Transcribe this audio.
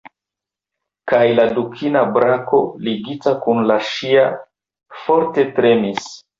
Kaj la dukina brako, ligita kun la ŝia, forte tremis.